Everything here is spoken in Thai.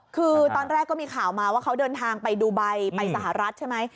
คือตอนแรกก็มีข่าวมาว่าเขาเดินทางไปดูไบไปสหรัฐใช่ไหม